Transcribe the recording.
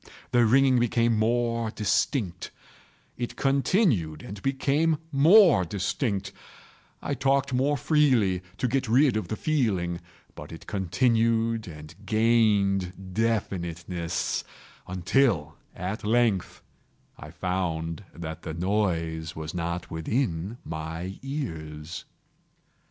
The ringing became more distinct:—it continued and became more distinct: I talked more freely to get rid of the feeling: but it continued and gained definiteness—until, at length, I found that the noise was not within my ears.